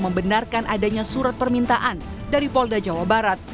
membenarkan adanya surat permintaan dari polda jawa barat